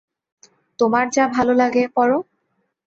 তোমার যা ভালো লাগে, পর।